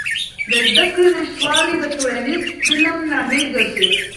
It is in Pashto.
د زدهکړې نشتوالی د ټولنیز ظلم لامل ګرځي.